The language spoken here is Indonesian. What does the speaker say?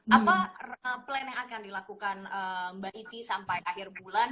apa plan yang akan dilakukan mbak ivi sampai akhir bulan